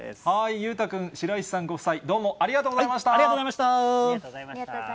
裕太君、白石さんご夫妻、ありがとうございました。